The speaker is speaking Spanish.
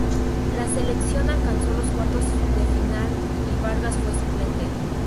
La Selección alcanzó los cuartos de final y Vargas fue suplente.